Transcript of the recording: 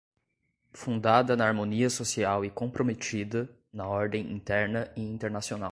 fundada na harmonia social e comprometida, na ordem interna e internacional